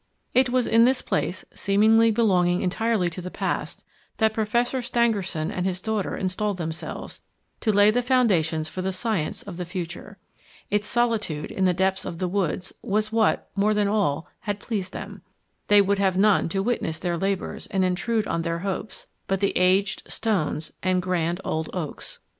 It was in this place, seemingly belonging entirely to the past, that Professor Stangerson and his daughter installed themselves to lay the foundations for the science of the future. Its solitude, in the depths of woods, was what, more than all, had pleased them. They would have none to witness their labours and intrude on their hopes, but the aged stones and grand old oaks.